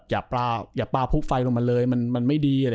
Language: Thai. อย่าปลาพุกไฟลงมาเลยมันไม่ดี